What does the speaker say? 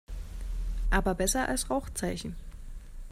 Aber besser als Rauchzeichen.